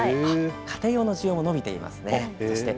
家庭用の需要も伸びています。